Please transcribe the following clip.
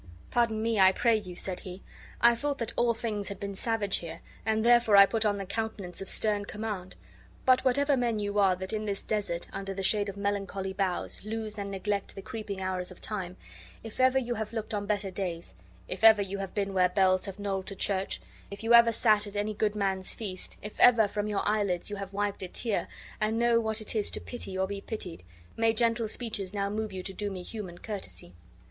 "Pardon me, I pray you," said he. "I thought that all things had been savage here, and therefore I put on the countenance of stern command; but whatever men you are that in this desert, under the shade of melancholy boughs, lose and neglect the creeping hours of time, if ever you have looked on better days, if ever you have been where bells have knolled to church, if you have ever sat at any good man's feast, if ever from your eyelids you have wiped a tear and know what it is to pity or be pitied, may gentle speeches now move you to do me human courtesy!"